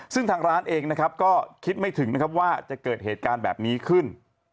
ซึ่งทางร้านเองนะครับก็คิดไม่ถึงนะครับว่าจะเกิดเหตุการณ์แบบนี้ขึ้น